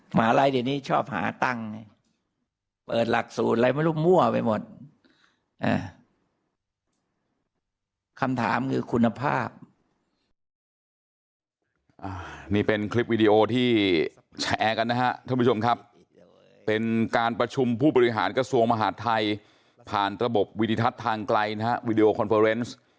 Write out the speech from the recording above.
หมาไรเดี๋ยวนี้ชอบหาตั้งเปิดหลักสูตรอะไรไม่รู้มั่วไปหมดเอ่อ